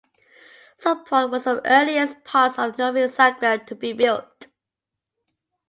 Sopot was one of the earliest parts of Novi Zagreb to be built.